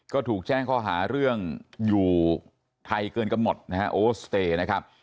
ก็ถูกแจ้งข้อหาเรื่องอยู่ไทยเกินกำหนดนะฮะโอสเตย์นะครับ